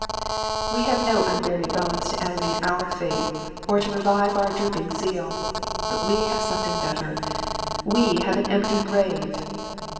We have no unburied bones to animate our faith, or to revive our drooping zeal ; but we have something better — we have an empty grave.